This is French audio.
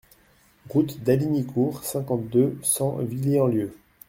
Route d'Hallignicourt, cinquante-deux, cent Villiers-en-Lieu